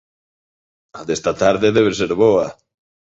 A desta tarde debe de ser boa.